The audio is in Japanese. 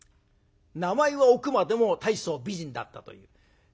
名前はおくまでも大層美人だったという。